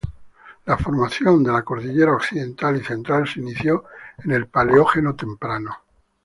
La formación de las cordilleras Occidental y Central se inició en el Paleógeno Temprano.